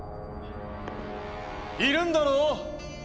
いるんだろ？